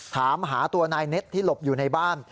ถามหาตัวนายเน็ตที่หลบอยู่ในบ้าน